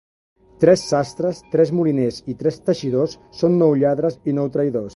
Tres sastres, tres moliners i tres teixidors són nou lladres i nou traïdors.